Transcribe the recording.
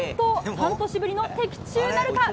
半年ぶりの的中なるか？